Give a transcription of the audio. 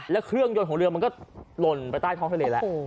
แล้วเครื่องยนต์ของเรือมันก็หล่นไปใต้ท้องทะเลแล้ว